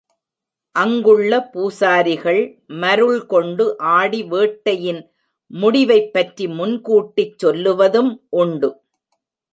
அங்குள்ள பூசாரிகள் மருள் கொண்டு ஆடி வேட்டையின் முடிவைப்பற்றி முன்கூட்டிச் சொல்லுவதும் உண்டு.